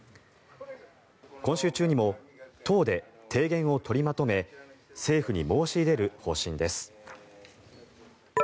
今週中にも党で提言を取りまとめ政府に申し入れる方針です。